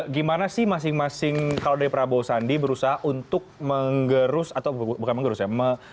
gimana sih masing masing kalau dari prabowo sandi berusaha untuk menggerus atau bukan mengerus ya